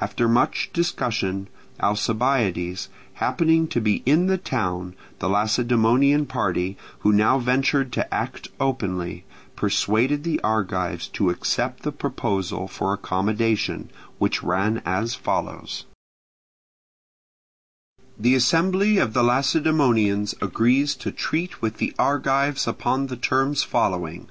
After much discussion, Alcibiades happening to be in the town, the Lacedaemonian party, who now ventured to act openly, persuaded the Argives to accept the proposal for accommodation; which ran as follows: The assembly of the Lacedaemonians agrees to treat with the Argives upon the terms following: 1.